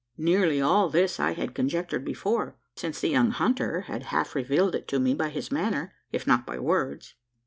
Nearly all this I had conjectured before: since the young hunter had half revealed it to me by his manner, if not by words.